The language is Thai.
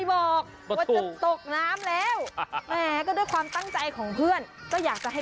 โปรดติดตามตอนต่อไป